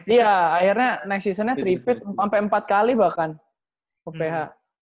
iya akhirnya next season nya tiga peat sampe empat kali bahkan uph